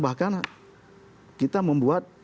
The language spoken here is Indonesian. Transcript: bahkan kita membuat